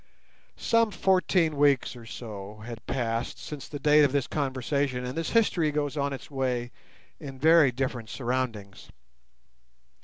Some fourteen weeks or so had passed since the date of this conversation, and this history goes on its way in very different surroundings.